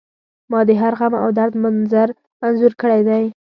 ما د هر غم او درد منظر انځور کړی دی